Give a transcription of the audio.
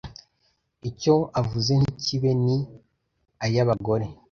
Icyo avuze ntikibe ni ay'abagore.